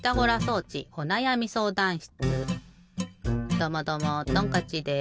どうもどうもトンカッチです！